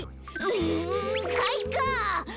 うんかいか！